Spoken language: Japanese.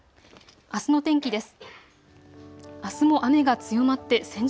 あすの天気です。